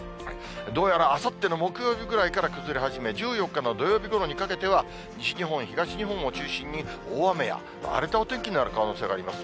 どうやらあさっての木曜日ごろから崩れ始め、１４日の土曜日ごろにかけては、西日本、東日本を中心に、大雨や荒れたお天気になる可能性があります。